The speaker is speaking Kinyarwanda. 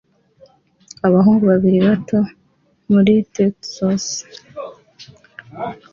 Abahungu babiri bato muri tuxedos